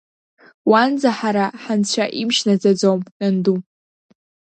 Уанӡа ҳара ҳанцәа имч наӡаӡом, нанду!